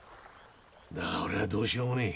だが俺はどうしようもねえ。